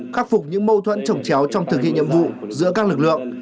khắc phục những mâu thuẫn trồng chéo trong thực hiện nhiệm vụ giữa các lực lượng